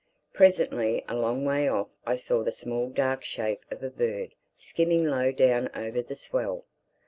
Presently a long way off I saw the small dark shape of a bird skimming low down over the swell.